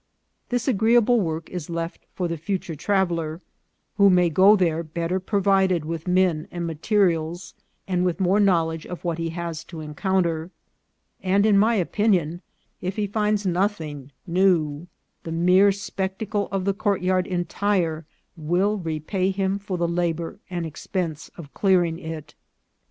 This agreeable work is left for the future traveller, who may go there better provided with men and materials, and with more knoAvledge of what he has to encounter ; and, in my opinion, if he finds nothing new, the mere spec tacle of the courtyard entire will repay him for the la bour and expense of clearing ., 316 INCIDENTS OF TRAVEL.